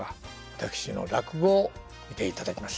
私の落語を見ていただきます。